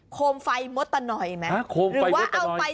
โคมไฟมดตะหน่อยมั้ย